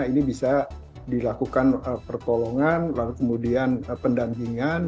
ini bisa dilakukan pertolongan lalu kemudian pendampingan